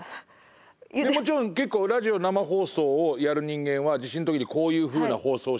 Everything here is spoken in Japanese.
いやもちろんラジオ生放送をやる人間は地震の時にこういうふうな放送をしてください